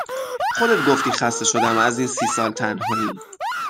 خودت گفتی خسته شدم از این سی سال تنهایی